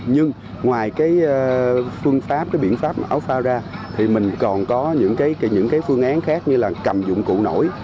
nhưng ngoài cái phương pháp cái biện pháp áo phao ra thì mình còn có những cái phương án khác như là cầm dụng cụ nổi